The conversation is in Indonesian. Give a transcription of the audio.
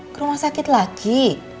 ke rumah sakit lagi